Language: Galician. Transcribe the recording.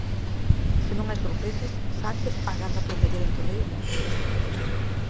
Se non hai sorpresas, Sánchez agarda prometer ante o rei o mércores.